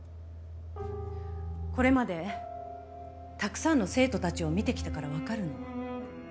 これまでたくさんの生徒たちを見てきたからわかるの。